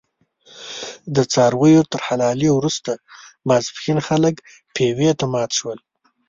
د څارویو تر حلالې وروسته ماسپښین خلک پېوې ته مات شول.